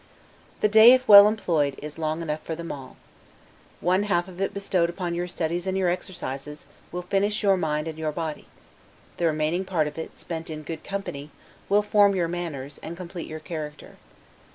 The day, if well employed, is long enough for them all. One half of it bestowed upon your studies and your exercises, will finish your mind and your body; the remaining part of it, spent in good company, will form your manners, and complete your character.